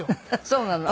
そうなの？